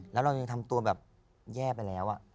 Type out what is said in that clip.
แล้วเรายังทำตัวแบบแย่ไปแล้ว